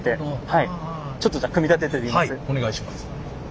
はいお願いします。